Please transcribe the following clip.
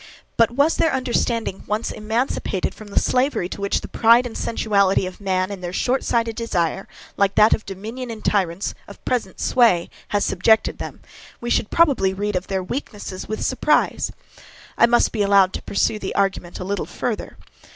But was their understanding once emancipated from the slavery to which the pride and sensuality of man and their short sighted desire, like that of dominion in tyrants, of present sway, has subjected them, we should probably read of their weaknesses with surprise. I must be allowed to pursue the argument a little farther.